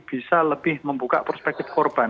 bisa lebih membuka perspektif korban